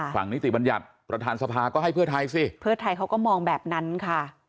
นิติบัญญัติประธานสภาก็ให้เพื่อไทยสิเพื่อไทยเขาก็มองแบบนั้นค่ะ